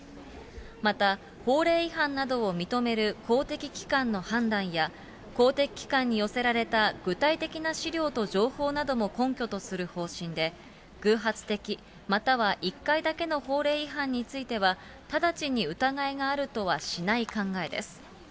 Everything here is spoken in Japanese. また、法令違反などを認める公的機関の判断や、公的機関に寄せられた具体的な資料と情報なども根拠とする方針で、偶発的、または１回だけの法令違反については、直ちに疑いがあるとはしない考えです。